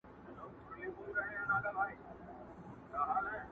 o خو یو بل وصیت هم سپي دی راته کړی.